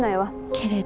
「けれど」。